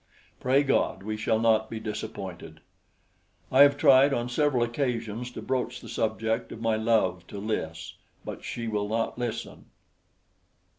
Pray God we shall not be disappointed. I have tried on several occasions to broach the subject of my love to Lys; but she will not listen.